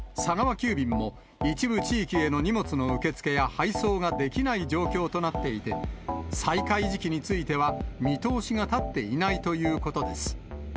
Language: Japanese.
急便も一部地域への荷物の受け付けや配送ができない状況となっていて、再開時期については、見通しが立っていないということです。